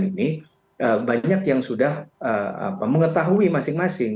jadi dalam pembuktian ini banyak yang sudah mengetahui masing masing